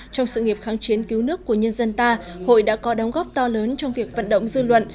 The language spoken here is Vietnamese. trong sự nghiệp kháng chiến cứu nước của nhân dân ta hội đã có đóng góp to lớn trong việc vận động dư luận